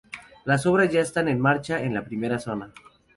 Las obras ya están en marcha en la primera zona.